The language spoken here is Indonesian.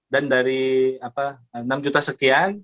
dan dari enam juta sekian